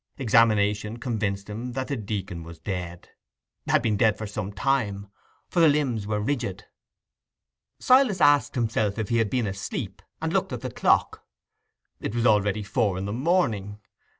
Examination convinced him that the deacon was dead—had been dead some time, for the limbs were rigid. Silas asked himself if he had been asleep, and looked at the clock: it was already four in the morning.